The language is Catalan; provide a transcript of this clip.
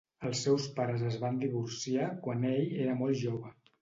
Els seus pares es van divorciar quan ell era molt jove.